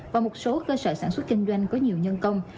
và một số cơ sở sản xuất kinh doanh có nhiều nhân công